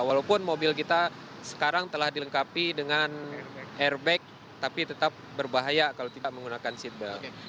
walaupun mobil kita sekarang telah dilengkapi dengan airbag tapi tetap berbahaya kalau tidak menggunakan seatbelt